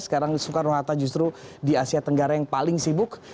sekarang soekarno hatta justru di asia tenggara yang paling sibuk